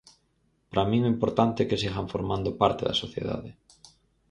Para min o importante é que sigan formando parte da sociedade.